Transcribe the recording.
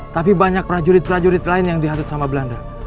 tapi banyak prajurit prajurit lain yang dihasut sama belanda